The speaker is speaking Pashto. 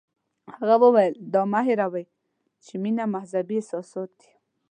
هغه وویل دا مه هیروئ چې مینه مذهبي احساسات دي.